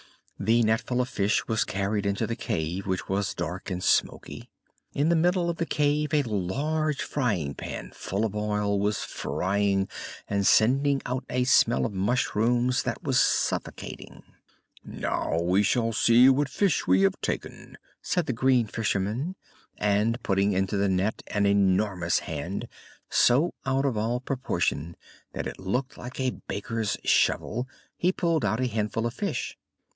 The netful of fish was carried into the cave, which was dark and smoky. In the middle of the cave a large frying pan full of oil was frying and sending out a smell of mushrooms that was suffocating. "Now we will see what fish we have taken!" said the green fisherman, and, putting into the net an enormous hand, so out of all proportion that it looked like a baker's shovel, he pulled out a handful of fish.